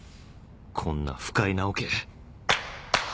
こんな不快なオケ